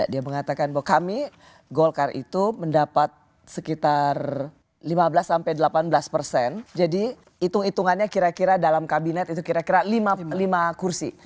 dia mengatakan bahwa kami golkar itu mendapat sekitar lima belas sampai delapan belas persen jadi hitung hitungannya kira kira dalam kabinet itu kira kira lima kursi